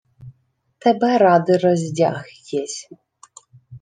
— Тебе ради роздяг єсмь.